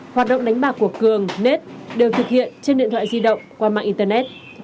hoạt động đánh bạc của cường net đều thực hiện trên điện thoại di động qua mạng internet